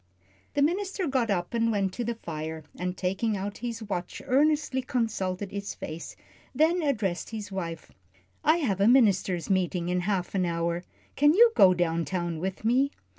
The minister got up and went to the fire, and taking out his watch earnestly consulted its face, then addressed his wife. "I have a ministers' meeting in half an hour. Can you go down town with me?"